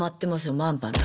まんまと